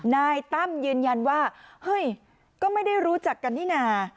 นายตั้มยืนยันว่าเฮ้ยก็ไม่ได้รู้จักกันนี่นา